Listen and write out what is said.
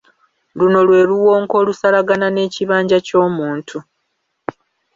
Luno lwe luwonko olusalagana n'ekibanja ky'omuntu.